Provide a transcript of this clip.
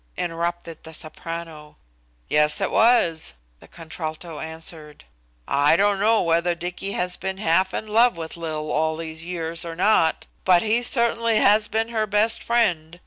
interrupted the soprano. "Yes, it was," the contralto answered. "I don't know whether Dicky has been half in love with Lil all these years or not, but he certainly has been her best friend.